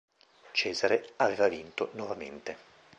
Cesare aveva vinto nuovamente.